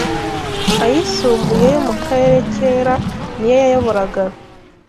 ayisumbuye yo mukarere kera niyo yayoboraga